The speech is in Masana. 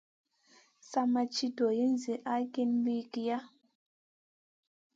Sa ma ci dolay zi ahrki wiykiya.